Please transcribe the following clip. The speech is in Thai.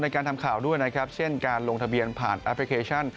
การทำข่าวด้วยนะครับเช่นการลงทะเบียนผ่านแอปพลิเคชัน